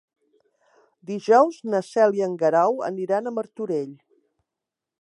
Dijous na Cel i en Guerau aniran a Martorell.